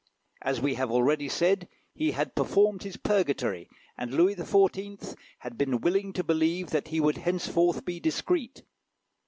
As we have already said, he had performed his purgatory, and Louis XIV. had been willing to believe that he would henceforth be discreet.